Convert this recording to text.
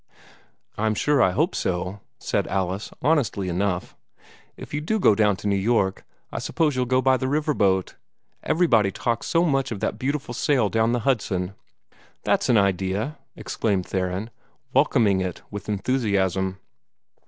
"I'm sure I hope so," said Alice, honestly enough. "If you do go on to New York, I suppose you'll go by the river boat. Everybody talks so much of that beautiful sail down the Hudson." "That's an idea!" exclaimed Theron, welcoming it with enthusiasm.